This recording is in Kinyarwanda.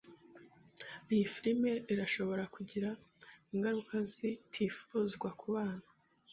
Iyi firime irashobora kugira ingaruka zitifuzwa kubana.